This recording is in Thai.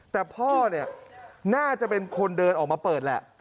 แต่พ่อเนี่ยน่าจะเป็นคนเดินออกมาเปิดแหละ